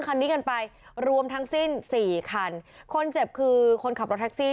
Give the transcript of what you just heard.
คันนี้กันไปรวมทั้งสิ้นสี่คันคนเจ็บคือคนขับรถแท็กซี่